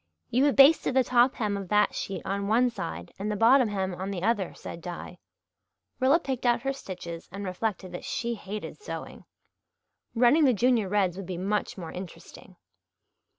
"You have basted the top hem of that sheet on one side and the bottom hem on the other," said Di. Rilla picked out her stitches and reflected that she hated sewing. Running the Junior Reds would be much more interesting.